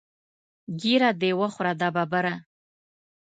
ږیره دې وخوره دا ببره.